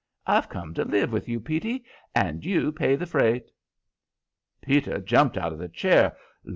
I've come to live with you, Petey, and you pay the freight." Peter jumped out of the chair.